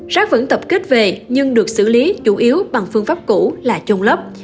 rác vẫn tập kết về nhưng được xử lý chủ yếu bằng phương pháp cũ là chôn lấp